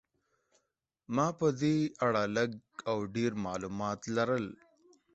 ما په دې اړه لږ او ډېر معلومات لرل.